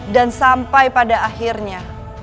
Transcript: dan sampai pada akhirnya